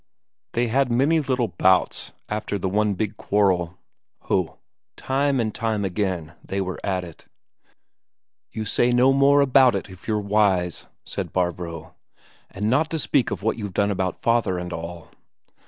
They had many little bouts after the one big quarrel. Ho, time and again they were at it! "You say no more about it, if you're wise," said Barbro. "And not to speak of what you've done about father and all."